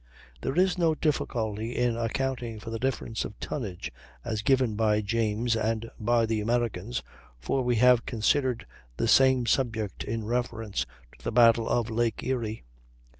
There is no difficulty in accounting for the difference of tonnage as given by James and by the Americans, for we have considered the same subject in reference to the battle of Lake Erie.